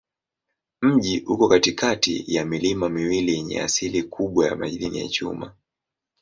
Mji uko katikati ya milima miwili yenye asilimia kubwa ya madini ya chuma.